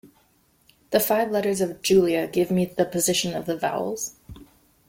The five letters of “Julia” gave me the position of the vowels.